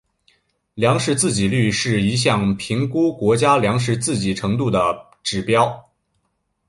粮食自给率是一项评估国家粮食自给程度的指标。